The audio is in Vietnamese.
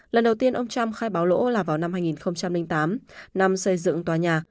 lần đầu tiên ông trump khai báo lỗ là vào năm hai nghìn tám năm xây dựng tòa nhà